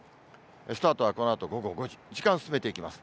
スタートはこのあと午後５時、時間進めていきます。